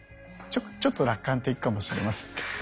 ちょっと楽観的かもしれませんけど。